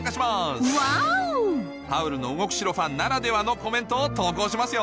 『ハウルの動く城』ファンならではのコメントを投稿しますよ